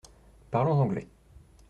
Parlons anglais.